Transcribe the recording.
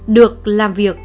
được làm việc